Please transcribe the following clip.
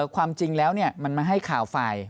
ความจริงแล้วมันมาให้ข่าวฝ่าย